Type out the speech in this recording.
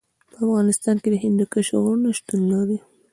په افغانستان کې د هندوکش غرونه شتون لري.